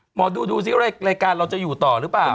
หมอดูดูสิรายการเราจะอยู่ต่อหรือเปล่า